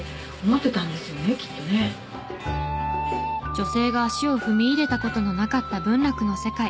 女性が足を踏み入れた事のなかった文楽の世界。